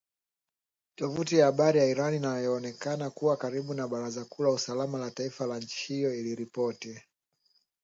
Tovuti ya habari ya Iran inayoonekana kuwa karibu na baraza kuu la usalama la taifa la nchi hiyo, iliripoti